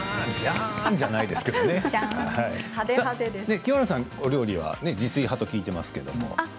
清原さん、料理は自炊派と聞いています。